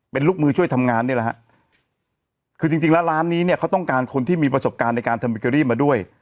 เป็นลูกมือช่วยทำงานนี่แหละฮะคือจริงจริงแล้วร้านนี้เนี่ยเขาต้องการคนที่มีประสบการณ์ในการทำบิเกอรี่มาด้วย